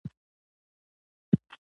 پښتو او دري ولې خوږې ژبې دي؟